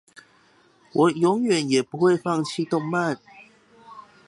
我永遠也不會放棄動漫